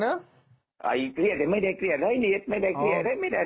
เนอะไอ้เกลียดไม่ได้เกลียดเลยนี่ไม่ได้เกลียดเลยไม่ได้